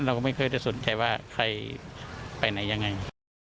เราก็ไม่เคยจะสนใจว่าใครไปไหนยังไง